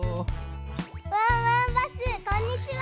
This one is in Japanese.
ワンワンバスこんにちは！